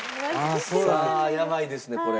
さあやばいですねこれ。